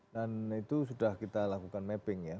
dan itu sudah kita lakukan mapping ya